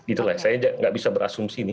itulah saya nggak bisa berasumsi nih